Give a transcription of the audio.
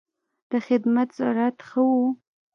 د خدمت سرعت ښه و.